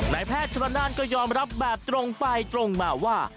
นายแพทย์ชนละนานก็ยอมรับแบบตรงไปตรงมาว่า